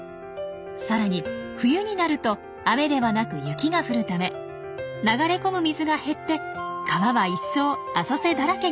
さらに冬になると雨ではなく雪が降るため流れ込む水が減って川はいっそう浅瀬だらけになります。